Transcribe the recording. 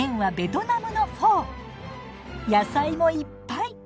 野菜もいっぱい！